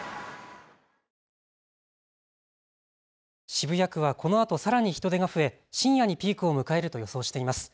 渋谷区はこのあとさらに人出が増え深夜にピークを迎えると予想しています。